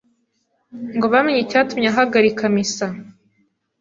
ngo bamenye icyatumye ahagarika misa.